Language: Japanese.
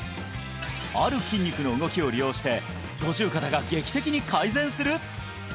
ある筋肉の動きを利用して五十肩が劇的に改善する！？